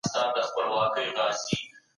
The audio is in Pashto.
کله چي یو څوک بل غولولای سي نو دا کار کوي.